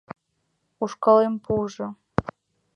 Ушкалем пуыжо...